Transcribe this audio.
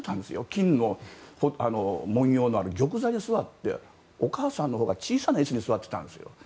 金の文様のある玉座に座ってお母さんのほうが小さい椅子に座ってたんですよ。